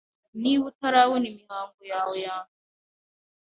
Niba utarabona imihango yawe ya mbere,